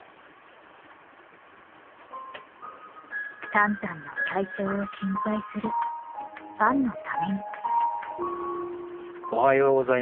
タンタンの体調を心配するファンのために。